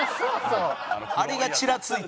あれがちらついて。